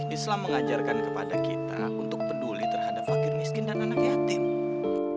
islam mengajarkan kepada kita untuk peduli terhadap fakir miskin dan anak yatim